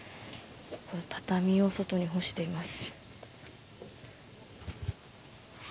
畳を外に干しています。